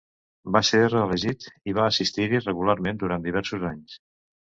Va ser reelegit i va assistir-hi regularment durant diversos anys.